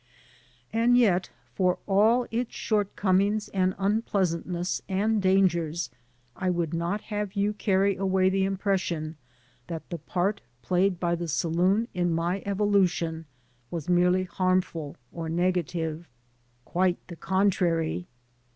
And yet, for all its shortcomings and unpleasantness and dangers, I would not have you carry away the impression that the part played by the saloon in my evolution was merely harmful or negative. Quite the contrary.